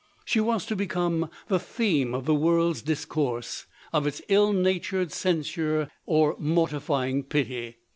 She was to become the theme of the world's discourse, of its ill natured censure or mortifying pity.